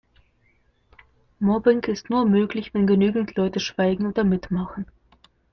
Mobbing ist nur möglich, wenn genügend Leute schweigen oder mitmachen.